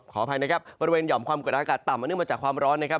ขออภัยนะครับบริเวณหย่อมความกดอากาศต่ำมาเนื่องมาจากความร้อนนะครับ